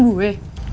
gua ingetin lu